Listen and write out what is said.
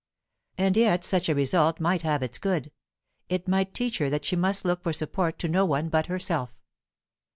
And yet such a result might have its good; it might teach her that she must look for support to no one but herself.